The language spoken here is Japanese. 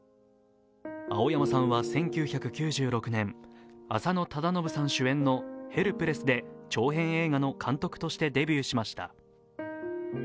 青山さんは１９９６年、浅野忠信さん主演の「Ｈｅｌｐｌｅｓｓ」で長編映画の監督としてデビューしました。